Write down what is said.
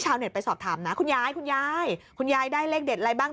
เน็ตไปสอบถามนะคุณยายคุณยายคุณยายได้เลขเด็ดอะไรบ้าง